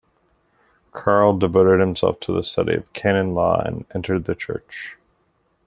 Karl devoted himself to the study of Canon law, and entered the church.